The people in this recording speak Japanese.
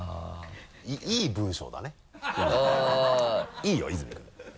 いいよ泉君！